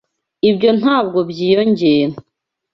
Ibyo ntabwo byiyongera.